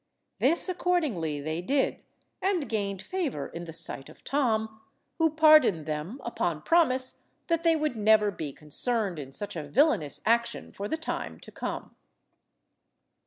This accordingly they did, and gained favour in the sight of Tom, who pardoned them upon promise that they would never be concerned in such a villainous action for the time to come.